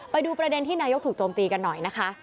ไปดูประเด็นที่นายกถูกโจมตีกันหน่อยนะคะ